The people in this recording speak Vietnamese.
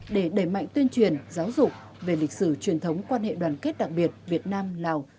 để đẩy mạnh tuyên truyền giáo dục về lịch sử truyền thống quan hệ đoàn kết đặc biệt việt nam lào